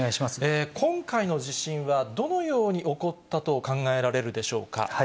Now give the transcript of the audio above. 今回の地震は、どのように起こったと考えられるでしょうか。